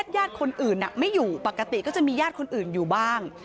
ญาติคนอื่นไม่อยู่ปกติก็จะมีญาติคนอื่นอยู่บ้าง